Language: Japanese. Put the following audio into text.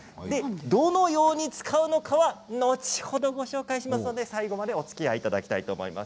どのように使うのかは後ほどご紹介しますので最後までおつきあいいただきたいと思います。